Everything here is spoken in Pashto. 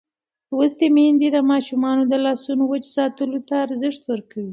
لوستې میندې د ماشومانو د لاسونو وچ ساتلو ته ارزښت ورکوي.